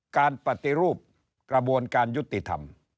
การปฏิรูปกระบวนการยุติธรรม